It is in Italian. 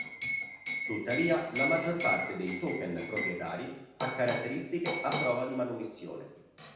Tuttavia, la maggior parte dei token proprietari ha caratteristiche a prova di manomissione.